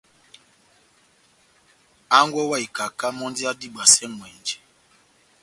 Hángwɛ wa ikaká mɔ́ndi adibwasɛ ŋʼwɛnjɛ.